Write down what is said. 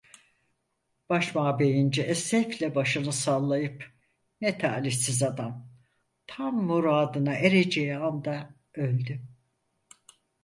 Başmabeyinci esefle başını sallayıp: "Ne talihsiz adam! Tam muradına ereceği anda öldü!"